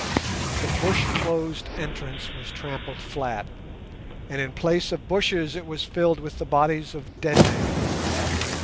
The bush closed entrance was trampled flat, and in place of bushes it was filled with the bodies of dead men.